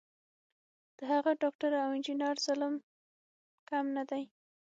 د هغه ډاکټر او انجینر ظلم کم نه دی.